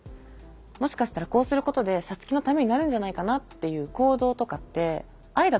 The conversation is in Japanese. もしかしたらこうすることでサツキのためになるんじゃないかなっていう行動とかって愛だと思うんですよね。